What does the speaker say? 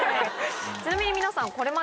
ちなみに皆さん。